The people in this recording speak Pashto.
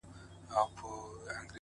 ده ده سقراط لوڼې; سچي فلسفې سترگي;